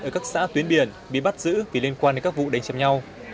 ở các xã tuyến biển bị bắt giữ vì liên quan đến các vụ đánh chập nhau